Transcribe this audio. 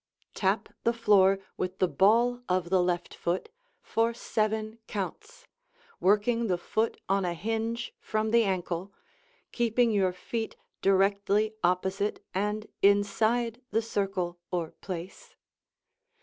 Tap the floor with the ball of the left foot for seven counts, working the foot on a hinge from the ankle, keeping your feet directly opposite and inside the circle or place.